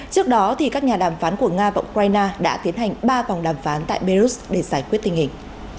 trước đó các nhà đàm phán của nga và ukraine đã tiến hành ba vòng đàm phán tại belarus để giải quyết tình hình